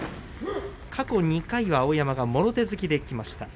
過去２回は碧山がもろ手突きできました。